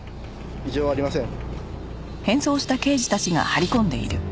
異状ありません。